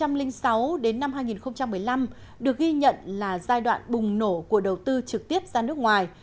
đặc biệt giai đoạn hai nghìn sáu đến năm hai nghìn một mươi năm được ghi nhận là giai đoạn bùng nổ của đầu tư trực tiếp ra nước ngoài